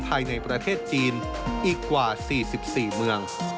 ภายในประเทศจีนอีกกว่า๔๔เมือง